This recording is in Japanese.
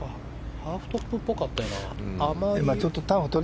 ハーフトップっぽかったね。